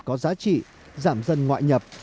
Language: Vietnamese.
có giá trị giảm dân ngoại nhập